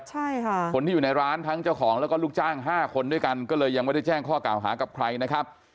ใช่ค่ะคนที่อยู่ในร้านทั้งเจ้าของแล้วก็ลูกจ้างห้าคนด้วยกันก็เลยยังไม่ได้แจ้งข้อกล่าวหากับใครนะครับ